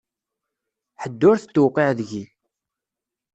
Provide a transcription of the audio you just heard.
Ḥedd ur t-tewqiɛ deg-i.